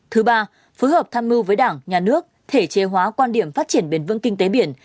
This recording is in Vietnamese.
thứ ba phối hợp tham mưu với đảng nhà nước thể chế hóa quan điểm phát triển bền vững kinh tế biển